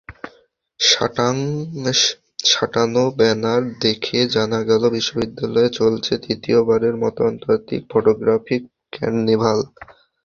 সাঁটানো banner দেখে জানা গেল, বিশ্ববিদ্যালয়ে চলছে তৃতীয়বারের মতো আন্তর্জাতিক ফটোগ্রাফি কার্নিভাল।